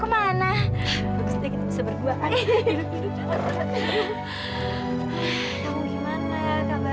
senang banget bersama kamu